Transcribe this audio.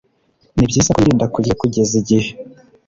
ni byiza ko yirinda kurya kugeza igihe